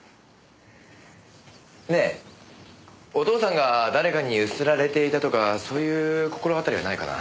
ねえお父さんが誰かに強請られていたとかそういう心当たりはないかな？